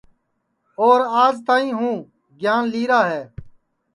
اور آج تک ہوں گیان لئیرا ہے